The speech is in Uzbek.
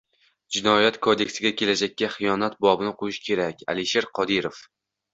“Jinoyat kodeksiga Kelajakka xiyonat bobini qo‘shish kerak” — Alisher Qodirov